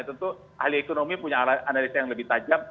tentu ahli ekonomi punya analisa yang lebih tajam